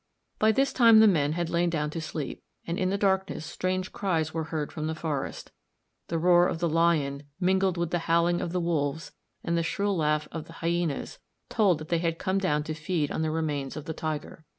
By this time the men had lain down to sleep, and in the darkness strange cries were heard from the forest. The roar of the lion, mingled with the howling of the wolves and the shrill laugh of the hyænas, told that they had come down to feed on the remains of the tiger.